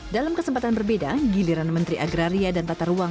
dalam kesempatan berbeda giliran menteri agraria dan tata ruang